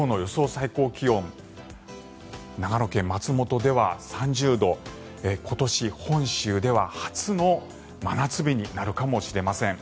最高気温長野県松本では３０度今年、本州では初の真夏日になるかもしれません。